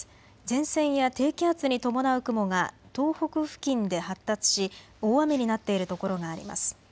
前線や低気圧に伴う雲が東北付近で発達し大雨になっている所があります。